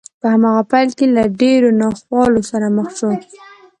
په هماغه پيل کې له ډېرو ناخوالو سره مخ شو.